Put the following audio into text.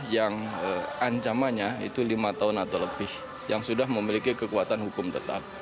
yang ancamannya itu lima tahun atau lebih yang sudah memiliki kekuatan hukum tetap